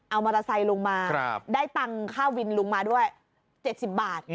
เอามอเตอร์ไซค์ลุงมาได้ตังค์ค่าวินลุงมาด้วย๗๐บาท